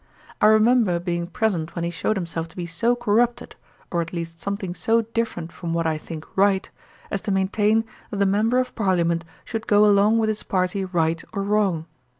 'I remember being present when he shewed himself to be so corrupted, or at least something so different from what I think right, as to maintain, that a member of parliament should go along with his party right or wrong.